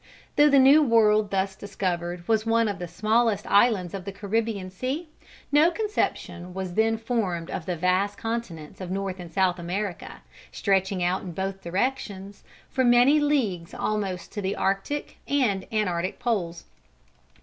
Though the new world thus discovered was one of the smallest islands of the Caribbean Sea, no conception was then formed of the vast continents of North and South America, stretching out in both directions, for many leagues almost to the Arctic and Antarctic poles.